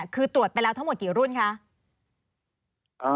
คือตรวจไปแล้วทั้งหมดกี่รุ่นคะ